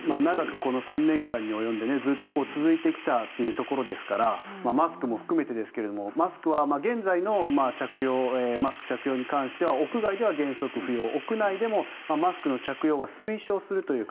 この３年間に及んでずっと続いてきたというところですがマスクも含めてですが現在のマスク着用に関しては屋外では原則不要屋内でもマスクの着用は推奨するという形。